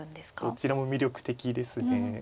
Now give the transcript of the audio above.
どちらも魅力的ですね。